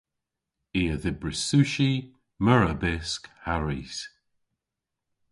I a dhybris sushi, meur a bysk ha ris.